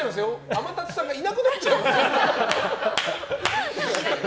天達さんがいなくなっちゃう。